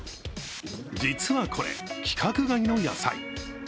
実はこれ、規格外の野菜。